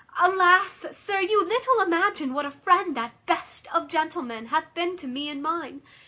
Alas! sir, you little imagine what a friend that best of gentlemen hath been to me and mine.